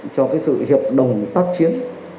cho cái sự hiệp đồng tác chiến